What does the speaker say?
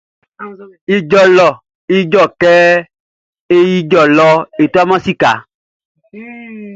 Ijɔ lɔ Ijɔ kɛ e ijɔ lɔ e tuaman sika.